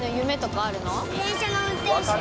電車の運転士。